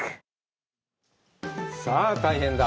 さあ、大変だ。